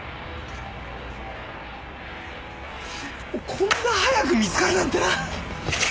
こんな早く見つかるなんてな！